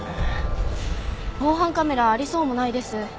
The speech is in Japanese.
防犯カメラありそうもないです。